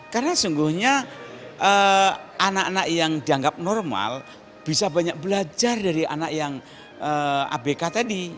karena sungguhnya anak anak yang dianggap normal bisa banyak belajar dari anak yang abk tadi